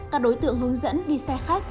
các đối tượng hướng dẫn đi xe khách